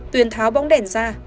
tuyền tháo bóng đèn ra